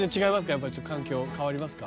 やっぱり環境変わりますか？